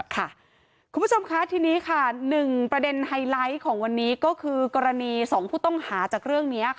คุณผู้ชมคะทีนี้ค่ะ๑ประเด็นไฮไลท์ของวันนี้ก็คือกรณี๒ผู้ต้องหาจากเรื่องนี้